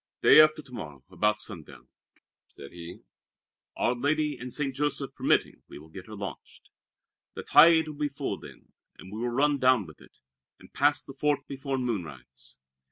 "Day after to morrow, about sundown," said he, "our Lady and St. Joseph permitting, we will get her launched. The tide will be full then, and we will run down with it, and pass the fort before moonrise.